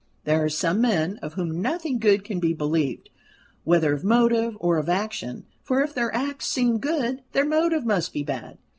There are some men of whom nothing good can be believed, whether of motive or of action; for if their acts seem good, their motive must be bad.